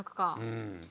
うん。